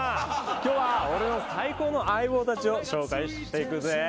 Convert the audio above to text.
今日は俺の最高の相棒達を紹介していくぜ。